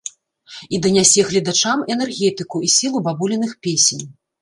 І данясе гледачам энергетыку і сілу бабуліных песень.